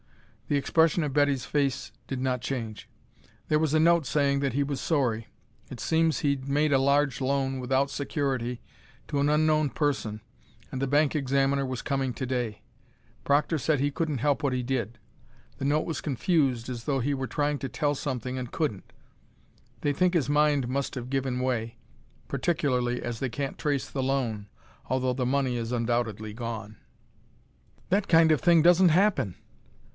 The expression of Betty's face did not change. "There was a note saying that he was sorry. It seems he'd made a large loan without security to an unknown person, and the bank examiner was coming to day. Proctor said he couldn't help what he did. The note was confused as though he were trying to tell something and couldn't. They think his mind must have given way, particularly as they can't trace the loan, although the money is undoubtedly gone." "That kind of thing doesn't happen!"